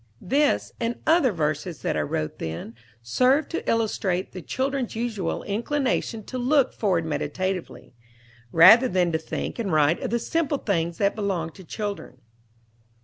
This, and other verses that I wrote then, serve to illustrate the child's usual inclination to look forward meditatively, rather than to think and write of the simple things that belong to children.